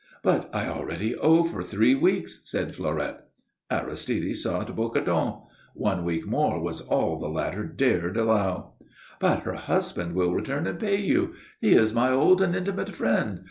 "But I already owe for three weeks," said Fleurette. Aristide sought Bocardon. One week more was all the latter dared allow. "But her husband will return and pay you. He is my old and intimate friend.